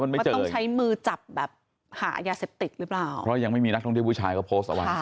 เพราะยังไม่มีนักท่องเที่ยวผู้ชายก็โพสต์เอาไว้